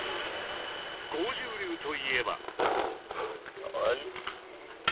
剛柔流といえば。